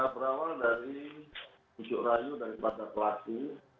berawal dari ujuk rayu daripada pelaku